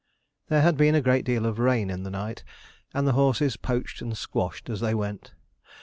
There had been a great deal of rain in the night, and the horses poached and squashed as they went.